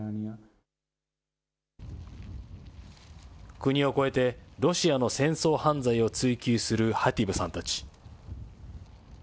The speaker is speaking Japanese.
国を超えてロシアの戦争犯罪を追及するハティブさんたち。